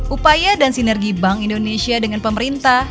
upaya dan sinergi bank indonesia dengan pemerintah